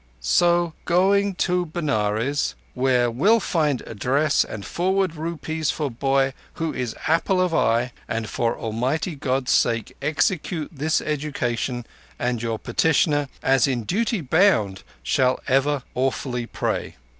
'_So going to Benares, where will find address and forward rupees for boy who is apple of eye, and for Almighty God's sake execute this education, and your petitioner as in duty bound shall ever awfully pray.